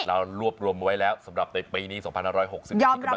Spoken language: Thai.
แล้วรวบรวมไว้แล้วสำหรับในปีนี้๒๖๖๐นาทีกำลังจะผ่านไป